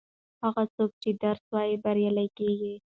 هغه څوک چې درس وايي بریالی کیږي.